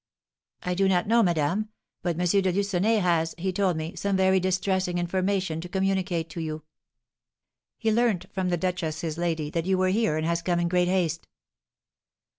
"I do not know, madame; but M. de Lucenay has, he told me, some very distressing information to communicate to you. He learnt from the duchess, his lady, that you were here, and has come in great haste."